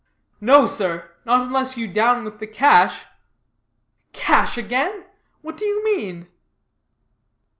"No, sir; not unless you down with the cash." "Cash again! What do you mean?"